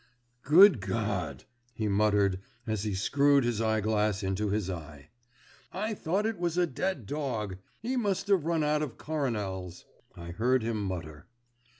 "Good God!" he muttered as he screwed his eye glass into his eye. "I thought it was a dead dog. He must have run out of 'coronels.'" I heard him mutter.